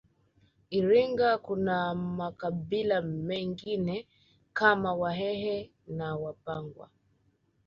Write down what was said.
Iringa kuna makabila mengine kama wahehe na wapangwa